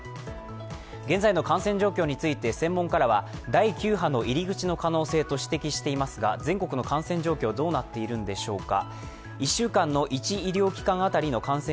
現在の感染状況について専門家からは第９波の入り口の可能性と指摘していますが全国の感染状況、どうなっているんでしょうか。